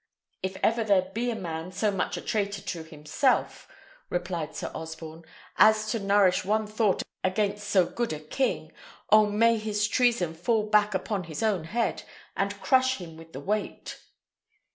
"If ever there be a man so much a traitor to himself," replied Sir Osborne, "as to nourish one thought against so good a king, oh, may his treason fall back upon his own head, and crush him with the weight!"